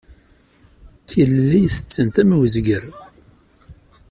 Kelly tettett am wezger.